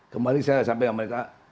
kemarin saya sampai amerika